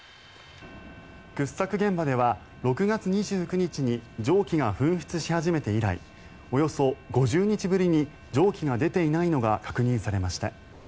掘削現場では６月２９日に蒸気が噴出し始めて以来およそ５０日ぶりに蒸気が出ていないのが確認されました。